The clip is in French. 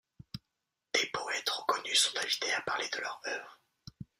Des poètes reconnus sont invités à parler de leur oeuvre.